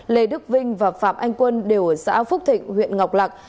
lê đức vinh và phạm anh quân đều ở xã phúc thịnh huyện ngọc lạc